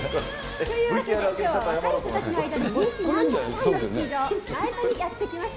というわけで、きょうは若い人たちの間で人気ナンバー１のスキー場、苗場にやって来ました。